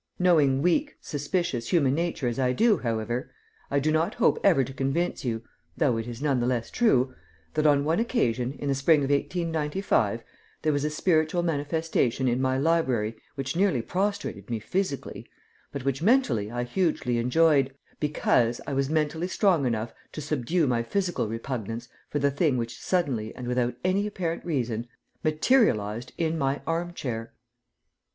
Knowing weak, suspicious human nature as I do, however, I do not hope ever to convince you though it is none the less true that on one occasion, in the spring of 1895, there was a spiritual manifestation in my library which nearly prostrated me physically, but which mentally I hugely enjoyed, because I was mentally strong enough to subdue my physical repugnance for the thing which suddenly and without any apparent reason materialized in my arm chair.